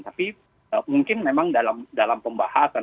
tapi mungkin memang dalam pembahasan